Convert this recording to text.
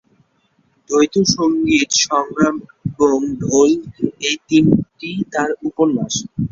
দ্বৈত সঙ্গীত, সংগ্রাম এবং ঢোল-এই তিনটি তার উপন্যাস।